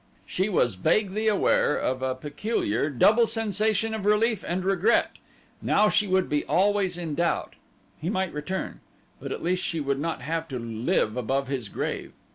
She was vaguely aware of a peculiar, double sensation of relief and regret. Now she would be always in doubt. He might return; but at least she would not have to live above his grave.